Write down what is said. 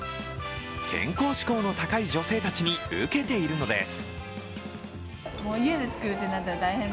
健康志向の高い女性たちに受けているのです。